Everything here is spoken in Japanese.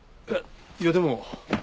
えっ？いやでも。